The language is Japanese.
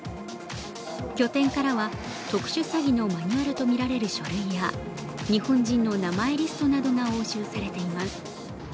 拠点からは特殊詐欺のマニュアルとみられる書類や日本人の名前リストなどが押収されています。